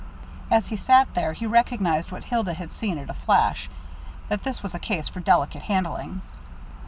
As he sat there, he recognized what Hilda had seen at a flash, that this was a case for delicate handling.